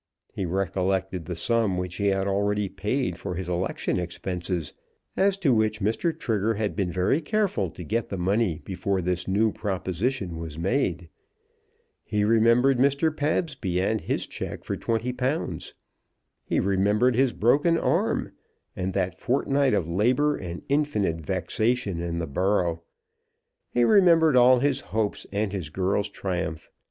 He recollected the sum which he had already paid for his election expenses, as to which Mr. Trigger had been very careful to get the money before this new proposition was made. He remembered Mr. Pabsby and his cheque for £20. He remembered his broken arm, and that fortnight of labour and infinite vexation in the borough. He remembered all his hopes, and his girls' triumph.